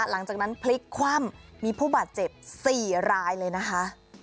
หลังจากนั้นพลิกคว่ำมีผู้บาดเจ็บ๔รายเลยนะคะ